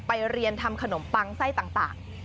เรียนทำขนมปังไส้ต่าง